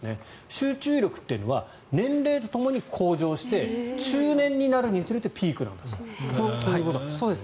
集中力っていうのは年齢とともに向上して中年になるにつれてピークなんだそうです。